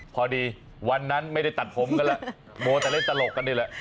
พอดีวันนั้นไม่ได้ตัดผมกันแล้วมัวแต่เล่นตลกกันนี่แหละ